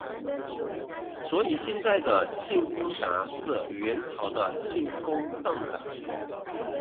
所以现在的庆丰闸是元朝的庆丰上闸。